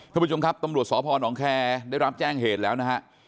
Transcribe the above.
ท่านผู้ชมครับตำรวจสพนแคร์ได้รับแจ้งเหตุแล้วนะฮะ